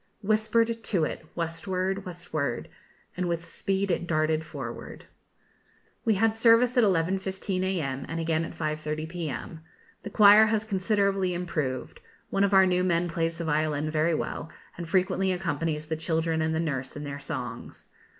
Whispered to it, westward, westward, And with speed it darted forward. We had service at 11.15 a.m., and again at 5.30 p.m. The choir has considerably improved; one of our new men plays the violin very well, and frequently accompanies the children and the nurse in their songs.